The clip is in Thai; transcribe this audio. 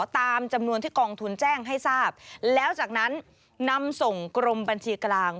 ตามจำนวนที่กองทุนแจ้งให้ทราบแล้วจากนั้นนำส่งกรมบัญชีกลาง